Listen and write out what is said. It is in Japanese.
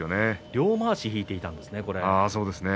両まわし引いていたんですね。